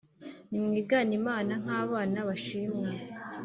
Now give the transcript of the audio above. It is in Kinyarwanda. nimwigane imana nk abana bashimwa